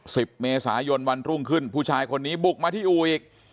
สิบเมษายนวันรุ่งขึ้นผู้ชายคนนี้บุกมาที่อู่อีก